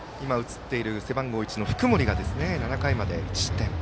背番号１の福盛が７回まで無失点。